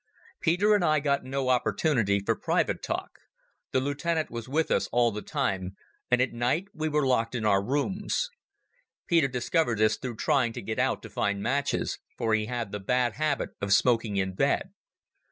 Peter and I got no opportunity for private talk. The lieutenant was with us all the time, and at night we were locked in our rooms. Peter discovered this through trying to get out to find matches, for he had the bad habit of smoking in bed.